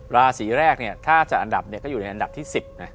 ราศีแรกถ้าจะอันดับก็อยู่ในอันดับที่๑๐